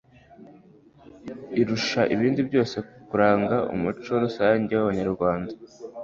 irusha ibindi byose kuranga umuco rusange w'A banyarwanda